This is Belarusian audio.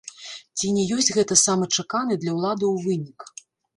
Ці не ёсць гэта самы чаканы для ўладаў вынік?